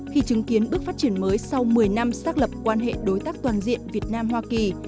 khi chứng kiến bước phát triển mới sau một mươi năm xác lập quan hệ đối tác toàn diện việt nam hoa kỳ